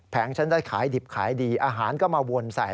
ฉันได้ขายดิบขายดีอาหารก็มาวนใส่